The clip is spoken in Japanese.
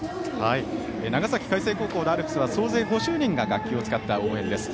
長崎のアルプスは総勢５０名が楽器を使った応援です。